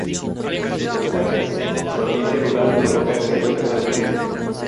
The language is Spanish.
Sus paisajes y su ambiente rural provocan cierto reclamo turístico.